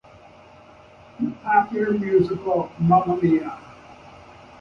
In the popular musical, Mamma Mia!